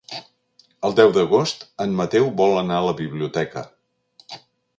El deu d'agost en Mateu vol anar a la biblioteca.